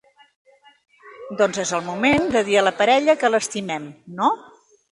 Doncs és el moment de dir a la parella que l'estimem, no?